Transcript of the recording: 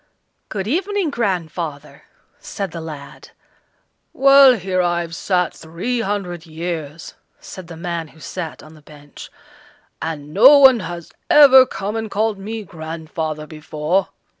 "Good evening, grandfather!" said the lad. "Well, here I've sat three hundred years," said the man who sat on the bench, "and no one has ever come and called me grandfather before."